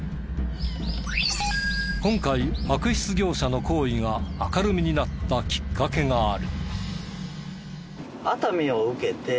今回悪質業者の行為が明るみになったきっかけがある。